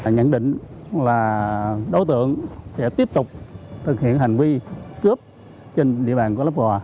nhận định là đối tượng sẽ tiếp tục thực hiện hành vi cướp trên địa bàn của lấp hòa